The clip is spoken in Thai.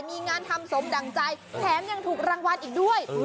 มีงานทำสมดั่งใจแถมยังถูกรางวัลอีกด้วย